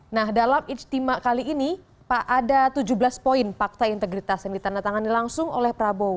nah dalam ijtima kali ini pak ada tujuh belas poin fakta integritas yang ditandatangani langsung oleh prabowo